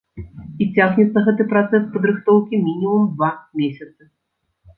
І цягнецца гэты працэс падрыхтоўкі мінімум два месяцы.